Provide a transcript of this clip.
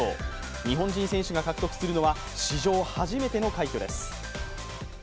日本人選手が獲得するのは史上初めての快挙です。